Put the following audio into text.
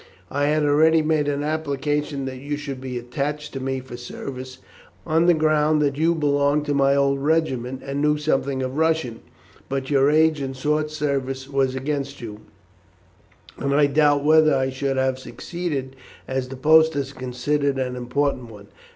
I had already made an application that you should be attached to me for service, on the ground that you belonged to my old regiment, and knew something of Russian; but your age and short service were against you, and I doubt whether I should have succeeded, as the post is considered an important one.